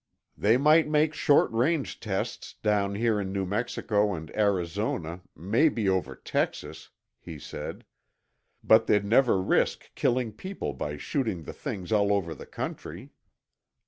"They might make short range tests down there in New Mexico and Arizona maybe over Texas," he said. "But they'd never risk killing people by shooting the things all over the country."